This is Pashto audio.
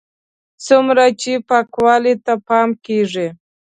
څومره چې پاکوالي ته پام کېږي.